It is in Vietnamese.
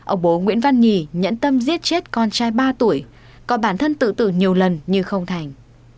ông bố nguyễn văn nhì nhẫn tâm giết chết con trai ba tuổi còn bản thân tự tử nhiều lần nhưng không thành